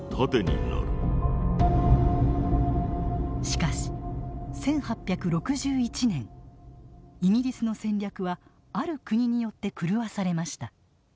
しかし１８６１年イギリスの戦略はある国によって狂わされました。